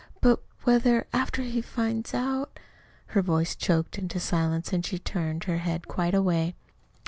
But, whether, after he finds out " Her voice choked into silence and she turned her head quite away.